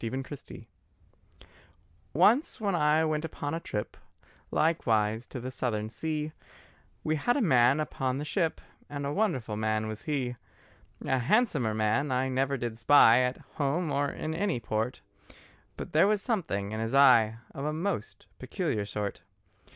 THE WITCH'S BOX Once when I went upon a trip Likewise to the Southern sea, We had a man upon the ship And a wonderful man was he. A handsomer man I never did spy, At home or in any port; But there was something in his eye Of a most peculiar sort.